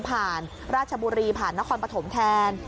ราชบุรีผ่านนครปฐมแทน